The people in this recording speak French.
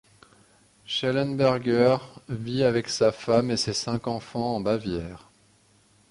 Schellenberger vit avec sa femme et ses cinq enfants en Bavière.